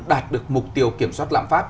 đạt được mục tiêu kiểm soát lãng phát